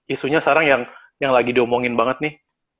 isunya sekarang yang lagi diomongin banget nih